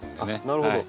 なるほど。